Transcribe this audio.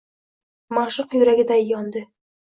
Ma’shuq yuragiday yondi!